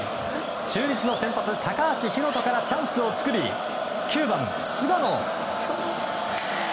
中日の先発、高橋宏斗からチャンスを作り９番、菅野。